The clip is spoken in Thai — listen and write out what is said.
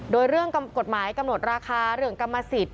โดยเรื่องกฎหมายกำหนดราคาเรื่องกรรมสิทธิ